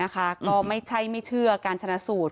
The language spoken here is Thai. ก็ไม่ใช่ไม่เชื่อการชนะสูตร